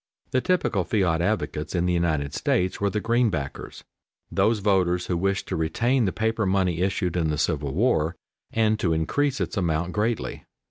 The typical fiat advocates in the United States were the "Greenbackers," those voters who wished to retain the paper money issued in the Civil War, and to increase its amount greatly.